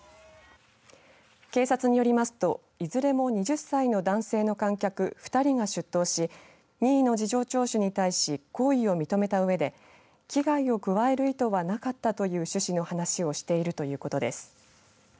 警察によりますといずれも２０歳の男性の観客２人が出頭し任意の事情聴取に対し行為を認めたうえで危害を加える意図はなかったという趣旨の話をしているということです。